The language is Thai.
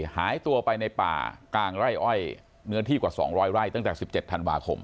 หายตัวไปในป่ากลางไร่อ้อยเนื้อที่กว่าสองร้อยไร่ตั้งแต่สิบเจ็ดธันวาคม